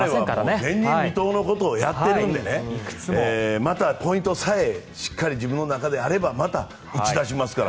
前人未到のことをやっているのでまたポイントさえしっかり自分の中であればまた、打ち出しますから。